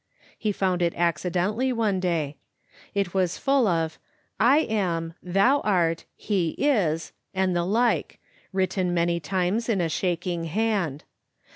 He found it accidentally one day. It was full of " I am, thou art, he is," and the like, written many times in a shaking hand.